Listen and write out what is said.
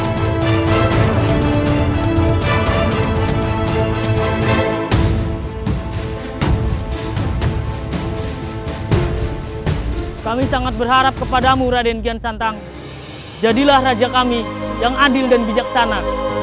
hai hai kami sangat berharap kepadamu raden kian santang jadilah raja kami yang adil dan bijaksana